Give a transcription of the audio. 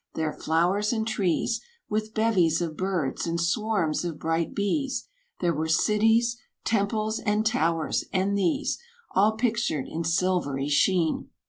there flowers and trees, With bevies of birds, and swarms of bright bees; There were cities temples, and towers; and these, All pictured in silvery sheen!